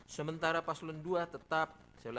sementara paslon dua tetap